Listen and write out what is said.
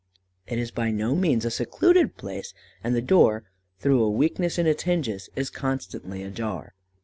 It is by no means a secluded place, and the door, through a weakness in its hinges, is constantly ajar.